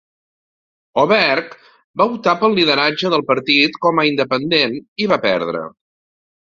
Oberg va optar pel lideratge del partit com a Independent i va perdre.